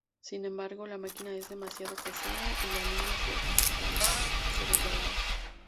Sin embargo, la máquina es demasiado pesada y la línea se resbala.